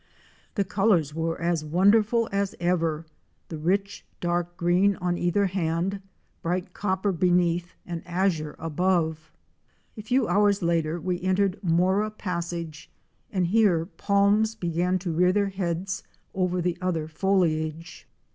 The colors were as wonderful as ever; the rich dark green on cither hand, bright copper beneath and azure above. A few hours later we entered Mora Passage and here palms began to rear their heads over the other foliage.